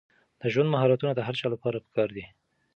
د ژوند مهارتونه د هر چا لپاره پکار دي.